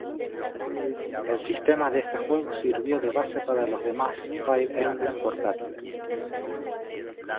El sistema de este juego sirvió de base para los demás "Fire Emblem" portátiles.